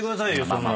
そんな。